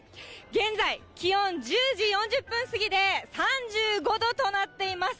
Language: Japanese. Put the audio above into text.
現在、気温、１０時４０分過ぎで３５度となっています。